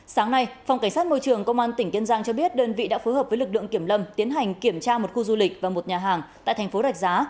sáng nay phòng cảnh sát môi trường công an tỉnh kiên giang cho biết đơn vị đã phối hợp với lực lượng kiểm lâm tiến hành kiểm tra một khu du lịch và một nhà hàng tại thành phố rạch giá